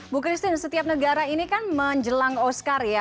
bu christine setiap negara ini kan menjelang oscar ya